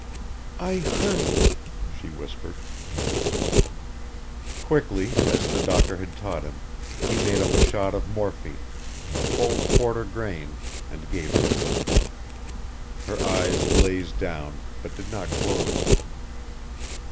"I hurt," she whispered. Quickly, as the doctor had taught him, he made up a shot of morphine, a full quarter grain, and gave it to her. Her eyes glazed down, but did not close.